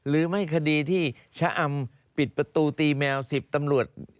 หรือไม่คดีที่ชะอำปิดประตูตีแมว๑๐ตำรวจ